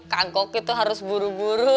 kagok itu harus buru buru